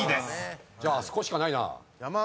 じゃああそこしかないな。